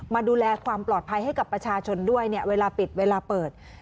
มาดูแลความปลอดภัยให้กับประชาชนด้วยเนี่ยเวลาปิดเวลาเปิด